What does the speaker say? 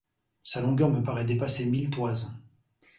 Sa longueur me parait dépasser mille toises !